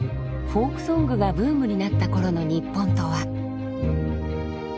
フォークソングがブームになったころの日本とは。